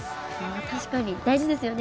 確かに大事ですよね。